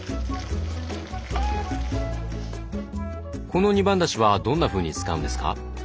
この二番だしはどんなふうに使うんですか？